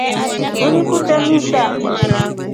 Linu kutee misa.